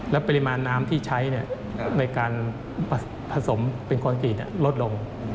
และปริมาณน้ำที่ใช้ในการผสมเป็นคอนกรีตลดลง